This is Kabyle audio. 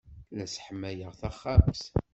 La sseḥmayeɣ taxxamt.